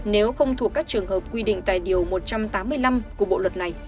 nếu không thuộc các trường hợp quy định tại điều một trăm tám mươi năm của bộ luật này